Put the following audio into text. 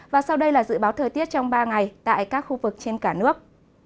và sau đây là dự báo thời tiết trong ba ngày tại các khu vực trên cả nước